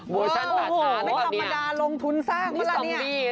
เป้นประชาติ์ไม่ธรรมดาลงทุนสร้างมาแล้วเนี่ย